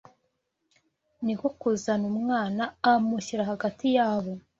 Ni ko kuzana umwana amushyira hagati yabo